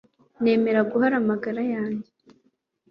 nemera guhara amagara yanjye